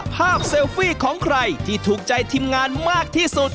เซลฟี่ของใครที่ถูกใจทีมงานมากที่สุด